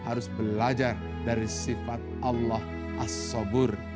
harus belajar dari sifat allah as sobur